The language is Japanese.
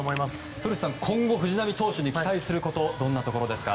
古田さん、今後藤浪投手に期待することはどんなところですか？